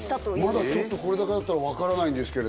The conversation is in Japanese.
まだちょっとこれだけだったら分からないんですけれど。